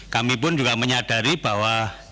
kami pun juga menyadari bahwa